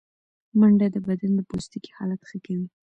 منډه د بدن د پوستکي حالت ښه کوي